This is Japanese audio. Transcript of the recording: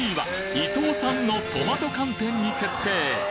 伊藤さんのトマト寒天に決定！